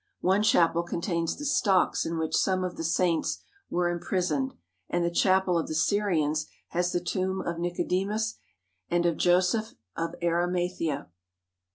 One chapel contains the stocks in which some of the saints were imprisoned, and the chapel of the Syrians has the tomb of Nicodemus and of Joseph of Arimathea.